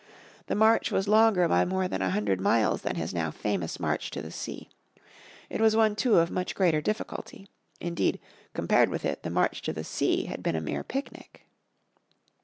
The march was longer by more than a hundred miles than his now famous march to the sea. It was one too of much greater difficulty. Indeed, compared with it, the march to the sea had been a mere picnic.